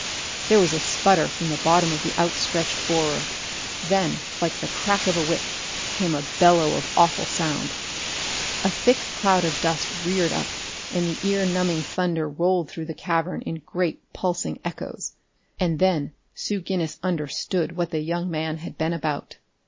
There was a sputter from the bottom of the outstretched borer; then, like the crack of a whip, came a bellow of awful sound. A thick cloud of dust reared up, and the ear numbing thunder rolled through the cavern in great pulsing echoes. And then Sue Guinness understood what the young man had been about.